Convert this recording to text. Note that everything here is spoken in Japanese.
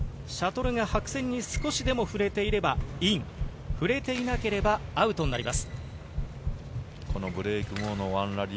シャトルが白線に少しでも触れていなければアウトになります。